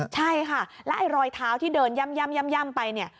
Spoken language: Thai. ใช่ค่ะแล้วไอ้รอยเท้าที่เดินย่ำไปเนี่ย